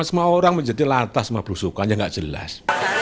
semua orang menjadi lantas sama belusukannya nggak jelas